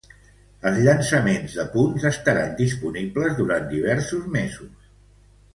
Els llançaments de punts estaran disponibles durant diversos mesos.